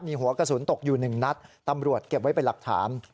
มีหัวกระสุนตกอยู่๑นัดตำรวจเก็บไว้เป็นหลักฐาน